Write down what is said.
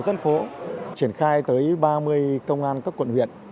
tổ quốc của dân phố triển khai tới ba mươi công an các quận huyện